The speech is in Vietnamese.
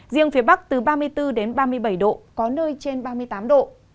riêng phía bắc từ ba mươi bốn đến ba mươi bảy độ có nơi trên ba mươi tám độ